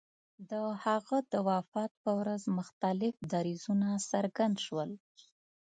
د هغه د وفات په ورځ مختلف دریځونه څرګند شول.